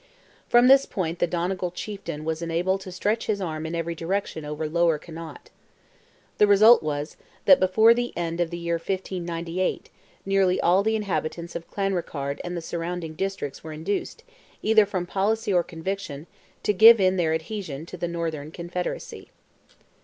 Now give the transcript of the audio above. From this point the Donegal chieftain was enabled to stretch his arm in every direction over lower Connaught. The result was, that before the end of the year 1598, nearly all the inhabitants of Clanrickarde and the surrounding districts were induced, either from policy or conviction, to give in their adhesion to the Northern Confederacy.